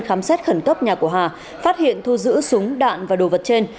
khám xét khẩn cấp nhà của hà phát hiện thu giữ súng đạn và đồ vật trên